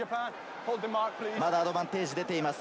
またアドバンテージ出ています。